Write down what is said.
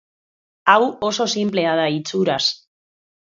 Hau oso sinplea da itxuraz.